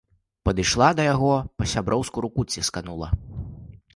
Падышла да яго, па-сяброўску руку цісканула.